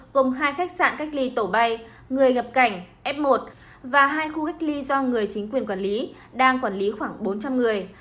gồm hai khách sạn cách ly tổ bay người nhập cảnh f một và hai khu cách ly do người chính quyền quản lý đang quản lý khoảng bốn trăm linh người